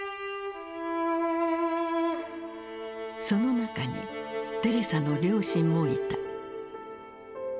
その中にテレサの両親もいた。